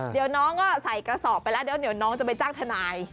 เดี๋ยวน้องก็ใส่กระสอบไปแล้วเดี๋ยวน้องจะไปจ้างทนาย